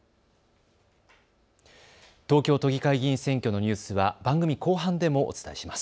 東京都議会議員選挙のニュースは番組後半でもお伝えします。